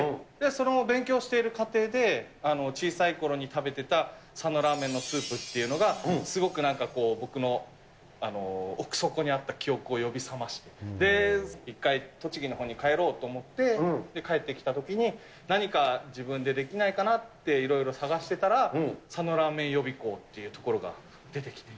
その勉強している過程で、小さいころに食べてた佐野らーめんのスープっていうのが、すごくなんか僕の奥底にあった記憶を呼び覚まして、で、一回、栃木のほうに帰ろうと思って、帰ってきたときに、何か自分でできないかなっていろいろ探してたら、佐野らーめん予備校っていう所が出てきて。